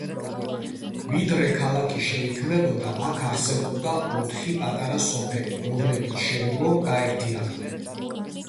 ვიდრე ქალაქი შეიქმნებოდა, აქ არსებობდა ოთხი პატარა სოფელი, რომლებიც შემდგომ გაერთიანდნენ.